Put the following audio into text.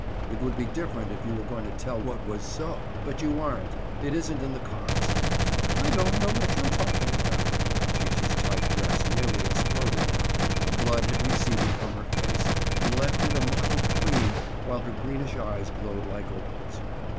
It would be different if you were going to tell what was so, but you aren't. It isn't in the cards." "I don't know what you're talking about." Gee gee's tight dress nearly exploded now. The blood had receded from her face and left it a mottled cream while her greenish eyes glowed like opals.